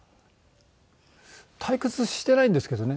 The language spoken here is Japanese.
退屈してないんですけどね。